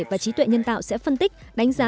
và trí tuệ nhân tạo sẽ phân tích đánh giá